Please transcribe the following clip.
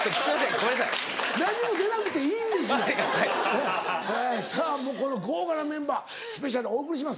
えさぁこの豪華なメンバースペシャルお送りします。